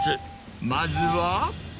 まずは。